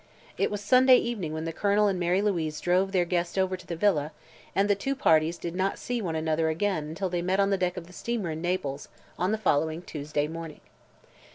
It was Sunday evening when the Colonel and Mary Louise drove their guest over to the villa and the two parties did not see one another again until they met on the deck of the steamer in Naples on the following Tuesday morning.